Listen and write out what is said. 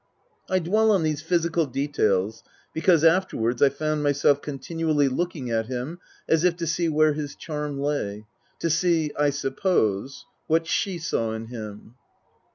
I dwell on these physical details because, afterwards, I found myself continually looking at him as if to see where his charm lay. To see, I suppose, what she saw in him.